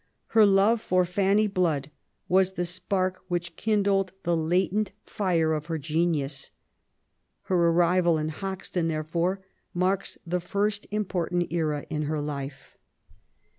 Her love for Fanny Blood was the spark which kindled the latent fire of her genius. Her arrival in Hoxton, therefore, marks the first important era in her life.